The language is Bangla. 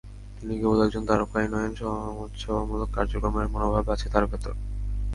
তিনি কেবল একজন তারকাই নন, সমাজসেবামূলক কার্যক্রমের মনোভাব আছে তাঁর ভেতর।